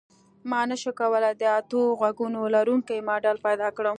ما نشوای کولی د اتو غوږونو لرونکی ماډل پیدا کړم